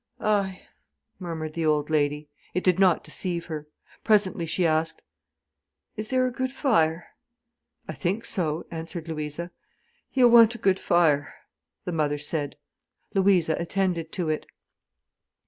"Ay!" murmured the old lady. It did not deceive her. Presently she asked: "Is there a good fire?" "I think so," answered Louisa. "He'll want a good fire," the mother said. Louisa attended to it.